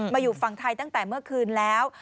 อยู่ฝั่งไทยตั้งแต่เมื่อคืนแล้ว